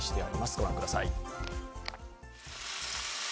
御覧ください。